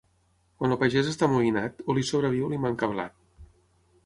Quan el pagès està amoïnat, o li sobra vi o li manca blat.